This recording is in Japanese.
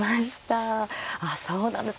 ああそうなんですか。